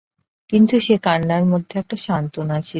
কিন্তু সে কান্নার মধ্যে একটা সান্ত্বনা ছিল।